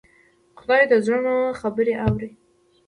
خدای د زړونو خبرې اوري.